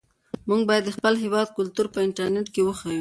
موږ باید د خپل هېواد کلتور په انټرنيټ کې وښیو.